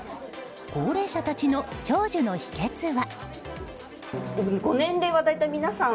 高齢者たちの長寿の秘訣は？